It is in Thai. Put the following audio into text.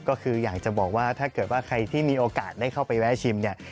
ก็คืออยากจะบอกว่าถ้าเกิดว่าใครที่มีโอกาสได้เข้าไปแวะชิมเนี่ย